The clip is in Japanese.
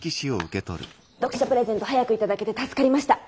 読者プレゼント早く頂けて助かりました。